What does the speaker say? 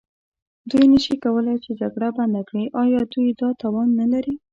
دوی نه شي کولای چې جګړه بنده کړي، ایا دوی دا توان نه لري؟